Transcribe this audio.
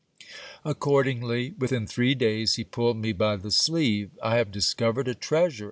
Accordingly within three days he pulled me by the sleeve : I have discovered a treasure